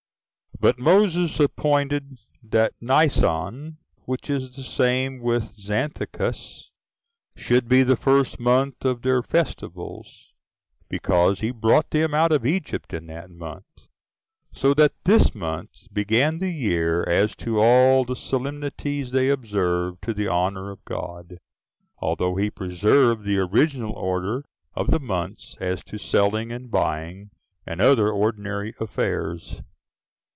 But Moses appointed that ú Nisan, which is the same with Xanthicus, should be the first month for their festivals, because he brought them out of Egypt in that month: so that this month began the year as to all the solemnities they observed to the honor of God, although he preserved the original order of the months as to selling and buying, and other ordinary affairs.